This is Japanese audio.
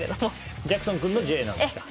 ジャクソン君のＪなんですか？